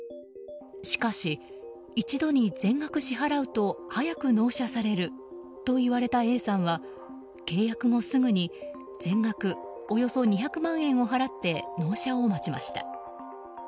しかし、一度に全額支払うと早く納車されると言われたＡさんは契約後すぐに全額およそ２００万円を払って納車を待ちました。